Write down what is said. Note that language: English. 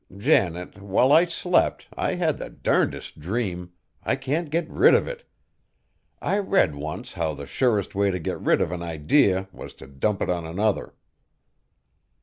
Janet, while I slept, I had the durndest dream, I can't get rid of it. I read once how the surest way to get rid of an idee was t' dump it on another."